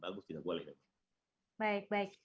bagus tidak boleh